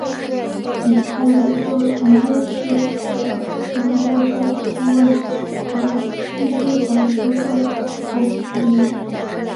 已故的就曾经是的全国筹款顾问和基金董事会的创始成员。